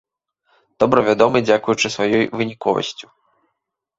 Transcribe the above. Добра вядомы дзякуючы сваёй выніковасцю.